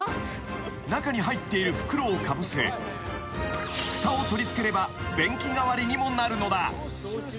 ［中に入っている袋をかぶせふたを取り付ければ便器代わりにもなるのだ］